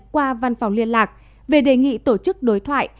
qua văn phòng liên lạc về đề nghị tổ chức đối thoại